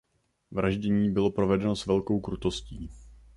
Vraždění bylo provedeno s velkou krutostí.